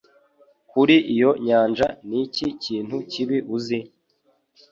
Kuri iyo nyanja Niki kintu kibi uzi?